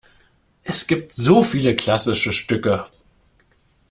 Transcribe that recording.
Es gibt so viele klassische Stücke!